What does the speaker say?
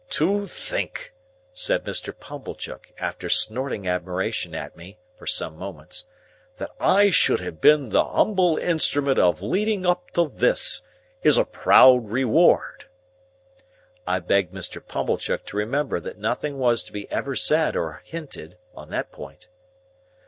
"To think," said Mr. Pumblechook, after snorting admiration at me for some moments, "that I should have been the humble instrument of leading up to this, is a proud reward." I begged Mr. Pumblechook to remember that nothing was to be ever said or hinted, on that point.